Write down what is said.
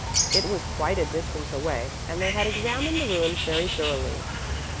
It was quite a distance away and they had examined the ruins very thoroughly.